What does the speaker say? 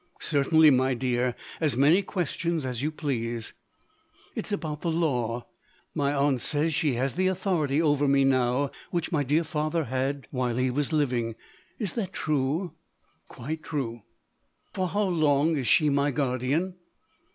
"Certainly, my dear! As many questions as you please." "It's about the law. My aunt says she has the authority over me now, which my dear father had while he was living. Is that true?" "Quite true." "For how long is she my guardian?"